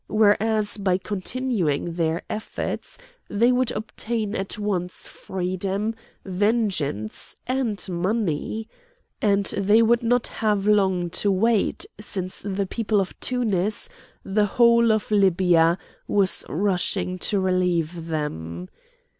Whereas by continuing their efforts they would obtain at once freedom, vengeance, and money! And they would not have long to wait, since the people of Tunis, the whole of Libya, was rushing to relieve them.